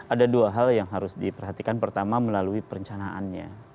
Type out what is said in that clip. ada dua hal yang harus diperhatikan pertama melalui perencanaannya